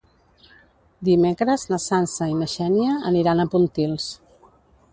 Dimecres na Sança i na Xènia aniran a Pontils.